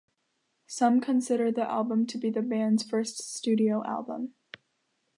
Some consider the album to be the band's first studio album.